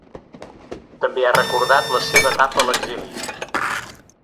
També ha recordat la seva etapa a l’exili.